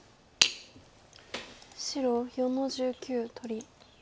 白４の十九取り。